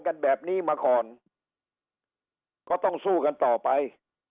กันแบบนี้มาก่อนก็ต้องสู้กันต่อไป